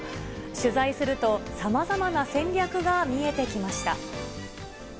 取材すると、さまざまな戦略が見えてきました。